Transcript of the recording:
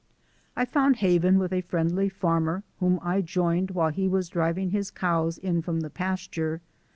I found haven with a friendly farmer, whom I joined while he was driving his cows in from the pasture.